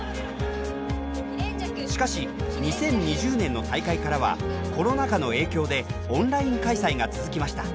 しかし２０２０年の大会からはコロナ禍の影響でオンライン開催が続きました。